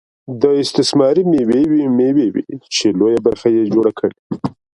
دا استثماري مېوې وې چې لویه برخه یې جوړه کړه